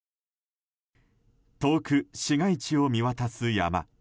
遠く市街地を見渡す山。